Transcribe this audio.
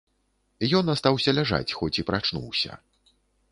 Ён астаўся ляжаць, хоць і прачнуўся.